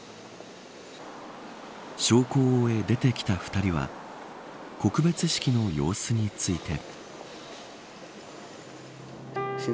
焼香を終え、出てきた２人は告別式の様子について。